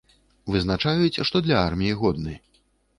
Вызначаюць, што для арміі годны.